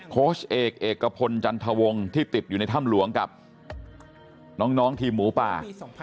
โค้ชเอกเอกพลจันทวงที่ติดอยู่ในถ้ำหลวงกับน้องทีมหมูป่า